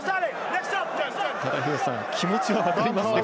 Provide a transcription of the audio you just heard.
ただ、廣瀬さん気持ちは分かりますね。